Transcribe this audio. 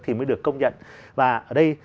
thì mới được công nhận và ở đây